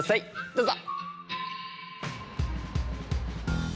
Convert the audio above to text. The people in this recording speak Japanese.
どうぞ。